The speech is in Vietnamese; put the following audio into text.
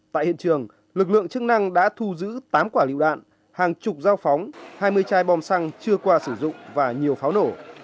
tại hiện trường lực lượng chức năng đã thu giữ tám quả lựu đạn hàng chục dao phóng hai mươi chai bom xăng chưa qua sử dụng và nhiều pháo nổ